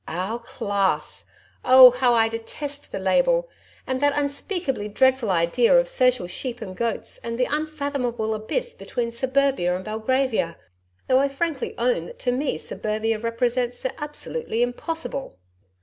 OUR CLASS! Oh, how I detest the label! And that unspeakably dreadful idea of social sheep and goats and the unfathomable abyss between Suburbia and Belgravia! Though I frankly own that to me Suburbia represents the Absolutely Impossible.